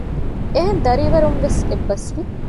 އެހެން ދަރިވަރުން ވެސް އެއްބަސްވި